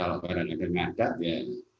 kalau barangnya dengan adat ya